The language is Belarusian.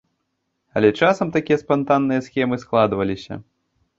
Але часам такія спантанныя схемы складваліся.